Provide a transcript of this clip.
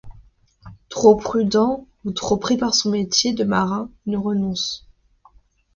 Trop prudent ou trop pris par son métier de marin, il renonce.